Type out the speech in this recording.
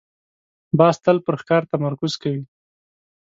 باز تل پر ښکار تمرکز کوي